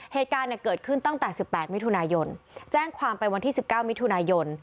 เหตุการณ์เกิดขึ้นตั้งแต่๑๘มิถุนายนแจ้งความไปวันที่๑๙มิถุนายน